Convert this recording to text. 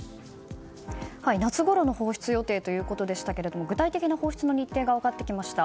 夏ごろの放出予定ということでしたが具体的な放出の日程が分かってきました。